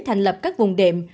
thành lập các vùng đệm